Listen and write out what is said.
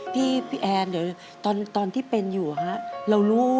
พี่แอนเดี๋ยวตอนที่เป็นอยู่